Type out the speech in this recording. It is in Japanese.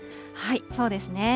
そうですね。